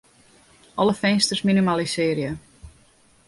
Alle finsters minimalisearje.